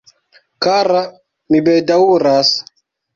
Kara, mi bedaŭras...